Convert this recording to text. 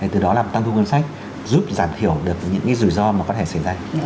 từ đó làm tăng thu ngân sách giúp giảm thiểu được những rủi ro mà có thể xảy ra